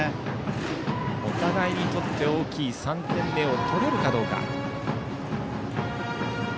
お互いにとって大きい３点目を取れるかどうか。